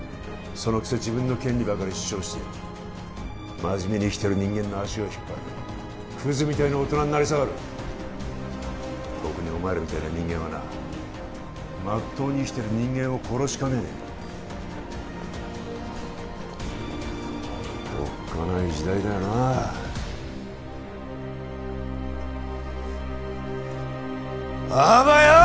そのくせ自分の権利ばかり主張して真面目に生きてる人間の足を引っ張るクズみたいな大人になり下がる特にお前らみたいな人間はなまっとうに生きてる人間を殺しかねねえおっかない時代だよなあばよ！